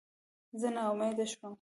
زه ناامیده شوم.